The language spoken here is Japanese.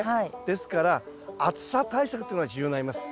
ですから暑さ対策っていうのが重要になります。